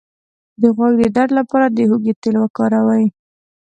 د غوږ د درد لپاره د هوږې تېل وکاروئ